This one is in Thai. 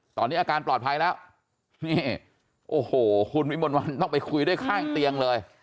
ตอนนี้อาการปลอดภัยแล้วนี่โอ้โหคุณวิมลวันต้องไปคุยด้วยข้างเตียงเลย